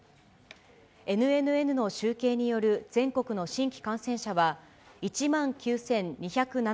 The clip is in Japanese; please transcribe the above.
ＮＮＮの集計による全国の新規感染者は、１万９２７１人。